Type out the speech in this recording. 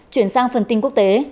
chuyển sang phần tin quốc tế